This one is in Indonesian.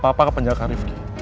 papa ke penjaga rifki